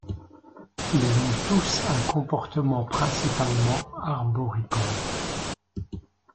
Ils ont tous un comportement principalement arboricole.